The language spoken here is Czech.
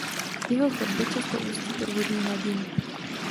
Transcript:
Jeho chodby často ústí pod vodní hladinu.